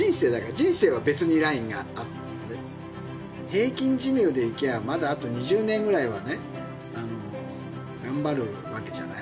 人生は別にラインがあってね、平均寿命でいきゃあ、まだあと２０年ぐらいはね、頑張るわけじゃない？